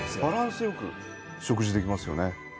バランスよく食事できますよね。